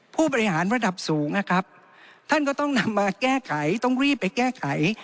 ผู้บริหารระดับสูงนะครับท่านก็ต้องนำมาแก้ไขต้องรีบไปแก้ไข